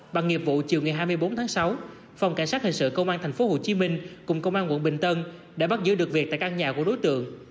bằng nghiệp vụ chiều ngày hai mươi bốn tháng sáu phòng cảnh sát hình sự công an tp hcm cùng công an quận bình tân đã bắt giữ được việc tại căn nhà của đối tượng